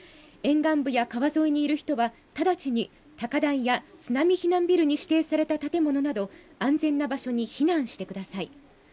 沿岸部や川沿いにいる人は直ちに高台や津波避難ビルに指定された建物など安全な場所に避難してください。